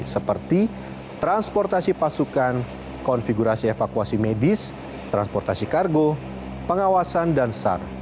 seperti transportasi pasukan konfigurasi evakuasi medis transportasi kargo pengawasan dan sar